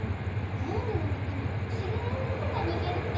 なやんでねむったらふしぎなゆめのせかいにいけるって。